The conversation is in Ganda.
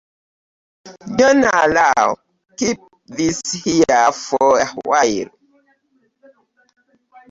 Jon na allow keep this here for a while